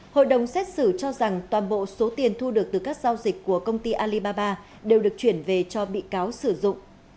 hội đồng xét xử cho rằng toàn bộ số tiền thu được từ các giao dịch của công ty alibaba đều được chuyển về cho bị cáo sử dụng